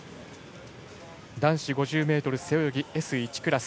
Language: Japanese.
男子５０ｍ背泳ぎＳ１クラス。